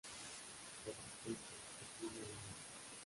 Persiste la "Tienda de Mili".